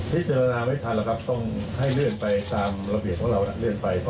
เลื่อนไปประมาณเดือนหนึ่งครับ